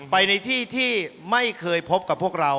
ไปในที่ที่ไม่เคยพบกับพวกเรา